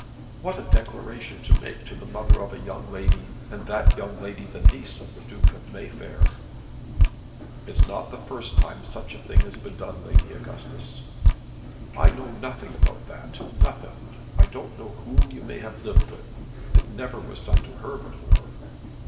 "What a declaration to make to the mother of a young lady, and that young lady the niece of the Duke of Mayfair!" "It's not the first time such a thing has been done, Lady Augustus." "I know nothing about that, nothing. I don't know whom you may have lived with. It never was done to her before."